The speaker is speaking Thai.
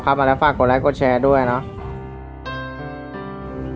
เข้ามาแล้วฝากกดไลค์กดแชร์ด้วยนะครับ